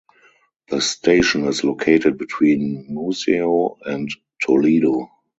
The station is located between Museo and Toledo.